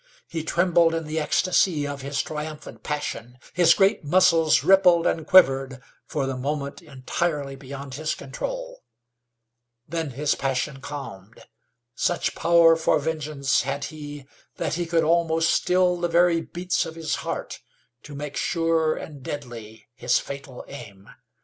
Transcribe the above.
He trembled in the ecstasy of his triumphant passion; his great muscles rippled and quivered, for the moment was entirely beyond his control. Then his passion calmed. Such power for vengeance had he that he could almost still the very beats of his heart to make sure and deadly his fatal aim.